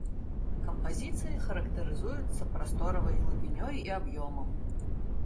Кампазіцыі характарызуюцца прасторавай глыбінёй і аб'ёмам.